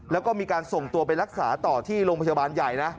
แล้วก็มีการส่งตัวไปรักษาต่อที่โรงพยาบาลใหญ่นะ